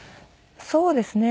そうですね。